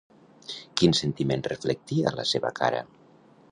Quin sentiment reflectia la seva cara?